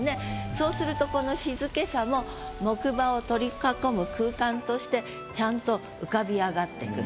そうするとこの静けさも木馬を取り囲む空間としてちゃんと浮かび上がってくる。